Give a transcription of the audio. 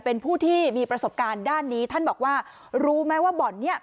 เป็นผู้ที่มีประสบการณ์ด้านนี้ท่านบอกว่ารู้ไหมว่าบ่อนนี้